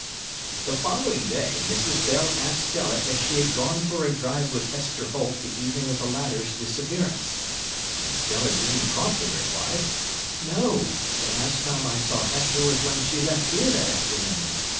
The following day, Mrs. Bell asked Stella if she had gone for a drive with Hester Holt the evening of the latter's disappearance, and Stella Dean promptly replied, "No; the last time I saw Hester was when she left here that afternoon.